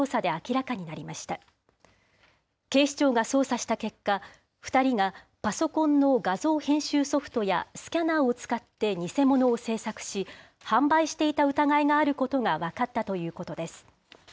警視庁が捜査した結果、２人がパソコンの画像編集ソフトやスキャナーを使って偽物を制作し、販売していた疑いがあることが分かったということです。